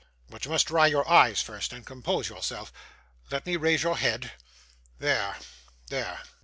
But you must dry your eyes first, and compose yourself. Let me raise your head. There there.